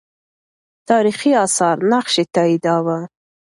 تاریخي آثار نقش یې تاییداوه.